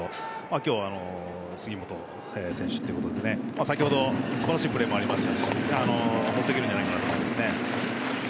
今日、杉本選手ということで先ほど素晴らしいプレーもありましたし乗っていけるんじゃないかと思います。